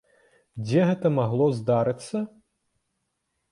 Дзе гэта магло здарыцца?